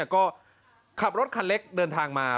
ก็ขับรถคันเล็กเดินทางมา